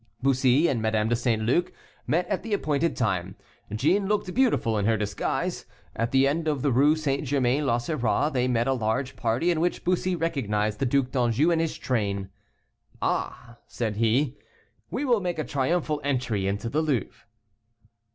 Bussy and Madame de St. Luc met at the appointed time; Jeanne looked beautiful in her disguise. At the end of the Rue St. Germain l'Auxerrois they met a large party in which Bussy recognized the Duc d'Anjou and his train. "Ah," said he, "we will make a triumphal entry into the Louvre."